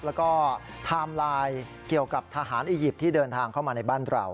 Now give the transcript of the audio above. แล้วก็ไทม์ไลน์เกี่ยวกับทหารอียิปต์ที่เดินทางเข้ามาในบ้านเรา